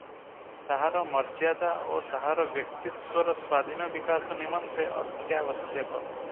ତାହାର ମର୍ଯ୍ୟାଦା ଓ ତାହାର ବ୍ୟକ୍ତିତ୍ୱର ସ୍ୱାଧୀନ ବିକାଶ ନିମନ୍ତେ ଅତ୍ୟାବଶ୍ୟକ ।